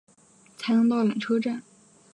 才能到缆车站